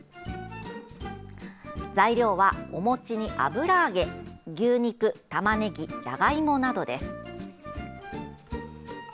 材料は、お餅に油揚げ牛肉、たまねぎじゃがいもなどです。